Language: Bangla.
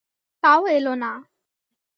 তাও এল না।